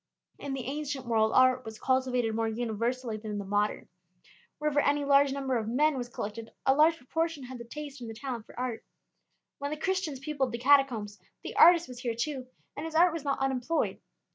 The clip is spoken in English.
In the ancient world art was cultivated more universally than in the modern. Wherever any large number of men was collected a large proportion had the taste and the talent for art. When the Christians peopled the Catacombs the artist was here too, and his art was not unemployed.